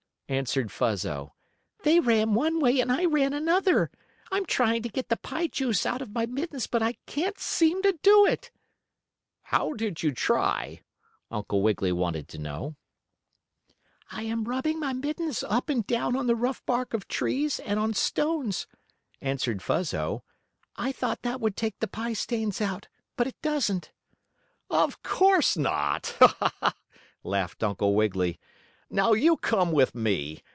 answered Fuzzo. "They ran one way and I ran another. I'm trying to get the pie juice out of my mittens, but I can't seem to do it." "How did you try?" Uncle Wiggily wanted to know. [Illustration: "Weren't we naughty kittens?"] "I am rubbing my mittens up and down on the rough bark of trees and on stones," answered Fuzzo. "I thought that would take the pie stains out, but it doesn't." "Of course not!" laughed Uncle Wiggily. "Now you come with me.